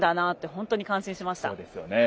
本当に感心しました。